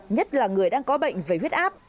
nhất là người đang có bệnh với huyết áp